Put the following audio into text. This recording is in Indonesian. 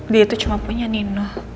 dia itu cuma punya nino